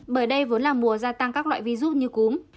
bởi đây vốn là mùa gia tăng các loại virus như cúm